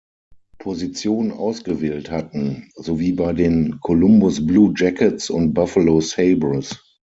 Position ausgewählt hatten, sowie bei den Columbus Blue Jackets und Buffalo Sabres.